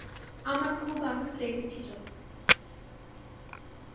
আমার খুব আঘাত লেগেছিল।